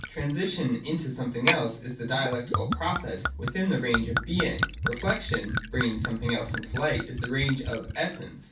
Transition into something else is the dialectical process within the range of Being : reflection (bringing something else into light), in the range of Essence.